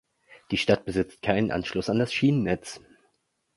Die Stadt besitzt keinen Anschluss an das Schienennetz.